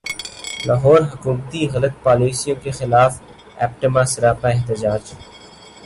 لاہور حکومتی غلط پالیسیوں کیخلاف ایپٹما سراپا احتجاج